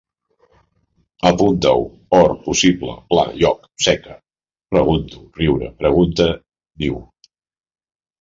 Apuntau: or, possible, pla, lloc, seca, pregunto, riure, pregunte, niu